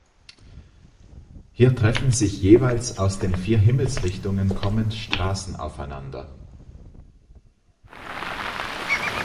Hier treffen sich jeweils aus den vier Himmelsrichtungen kommend Straßen aufeinander.